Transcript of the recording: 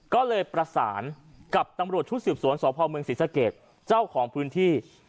ก็เลยประสานกับตำรวจชุดสืบสวนสพเมืองศรีสะเกดเจ้าของพื้นที่